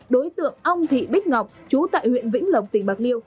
đối tượng ông thị bích ngọc chú tại huyện vĩnh lộc tỉnh bạc liêu